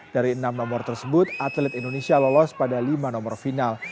dari enam nomor tersebut atlet indonesia lolos pada lima nomor final